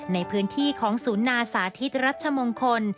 ในพื้นที่ของศูนย์นาสาธิตรัชมงคล